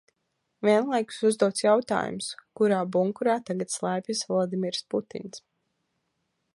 Vienlaikus uzdots jautājums, kurā bunkurā tagad slēpjas Vladimirs Putins.